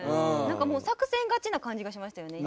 なんかもう作戦勝ちな感じがしましたよね